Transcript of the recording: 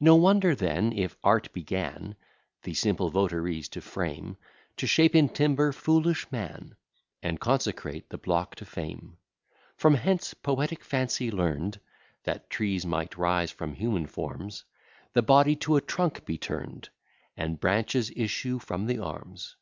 No wonder then, if art began The simple votaries to frame, To shape in timber foolish man, And consecrate the block to fame. From hence poetic fancy learn'd That trees might rise from human forms; The body to a trunk be turn'd, And branches issue from the arms.